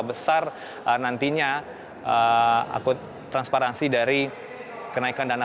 menjadi subscribe sejak dua ribu dua puluh